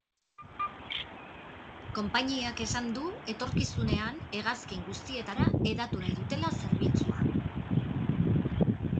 Konpainiak esan du etorkizunean hegazkin guztietara hedatu nahi dutela zerbitzua.